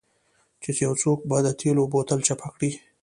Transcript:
چې یو څوک به د تیلو بوتل چپه کړي